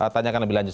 tanyakan lebih lanjut